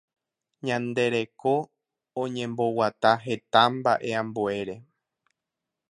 Ñande reko oñemboguata heta mbaʼe ambuére.